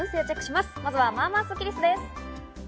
まずは、まあまあスッキりすです。